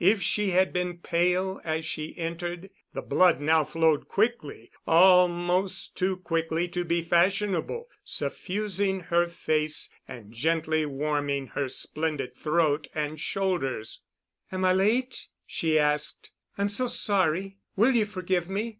If she had been pale as she entered, the blood now flowed quickly—almost too quickly to be fashionable—suffusing her face and gently warming her splendid throat and shoulders. "Am I late?" she asked. "I'm so sorry. Will you forgive me?"